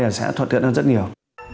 và sẽ thuật hiện ra rất nhiều